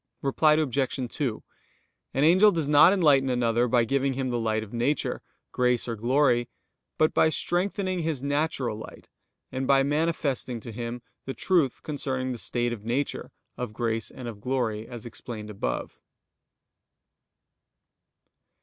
Reply Obj. 2: An angel does not enlighten another by giving him the light of nature, grace, or glory; but by strengthening his natural light, and by manifesting to him the truth concerning the state of nature, of grace, and of glory, as explained above.